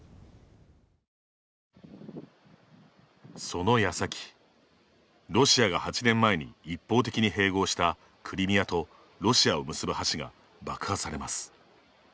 そのやさき、ロシアが８年前に一方的に併合したクリミアとロシアを結ぶ橋が爆破されます。